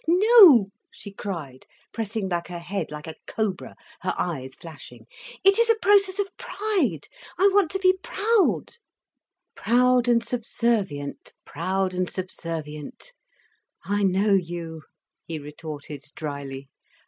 "No," she cried, pressing back her head like a cobra, her eyes flashing. "It is a process of pride—I want to be proud—" "Proud and subservient, proud and subservient, I know you," he retorted dryly.